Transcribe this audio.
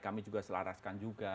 kami juga selaraskan juga